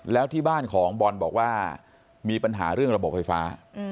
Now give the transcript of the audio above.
แล้วที่บ้านของบอลบอกว่ามีปัญหาเรื่องระบบไฟฟ้า